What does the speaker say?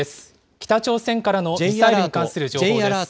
北朝鮮からのミサイルに関する情報です。